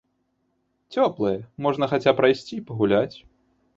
Цёплая, можна хаця прайсці, пагуляць.